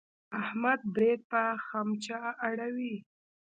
احمد برېت په خمچه اړوي.